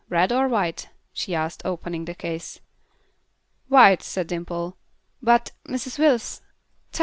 Red or white?" she asked, opening the case. "White," said Dimple. "But Mrs. Wills " "Tut!